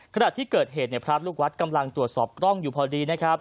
ขณะที่เกิดเหตุพระลูกวัดกำลังตรวจสอบกล้องอยู่พอดีนะครับ